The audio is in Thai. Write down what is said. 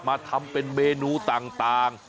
มาทำเป็นเมนูต่าง